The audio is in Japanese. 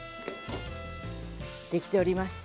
出来ております。